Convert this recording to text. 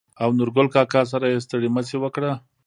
او نورګل کاکا سره يې ستړي مشې وکړه.